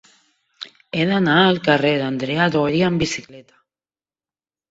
He d'anar al carrer d'Andrea Doria amb bicicleta.